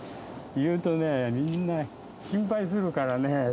言うとね、みんな、心配するからね。